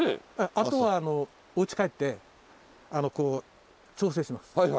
あとはおうち帰って調整します。